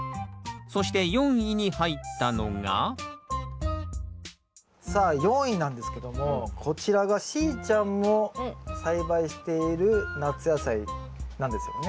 そして４位に入ったのがさあ４位なんですけどもこちらがしーちゃんも栽培している夏野菜なんですよね。